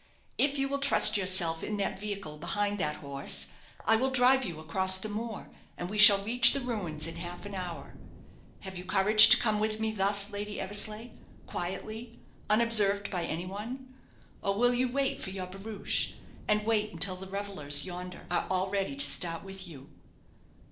If you will trust yourself in that vehicle behind that horse, I will drive you across the moor, and we shall reach the ruins in half an hour. Have you courage to come with me thus, Lady Eversleigh, quietly, unobserved by any one? or will you wait for your barouche; and wait until the revellers yonder are all ready to start with you?"